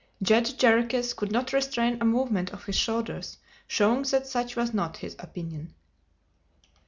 Judge Jarriquez could not restrain a movement of his shoulders, showing that such was not his opinion.